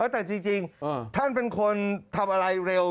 แต่จริงท่านเป็นคนทำอะไรเร็ว